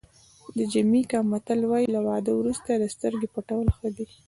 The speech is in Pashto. د جمیکا متل وایي له واده وروسته د سترګې پټول ښه دي.